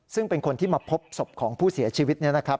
ซึ่งเป็นคนที่มาพบศพของผู้เสียชีวิตเนี่ยนะครับ